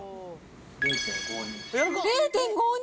０．５２。